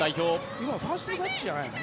今のファーストタッチじゃないの？